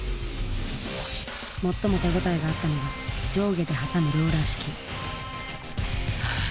最も手応えがあったのが上下で挟むローラー式。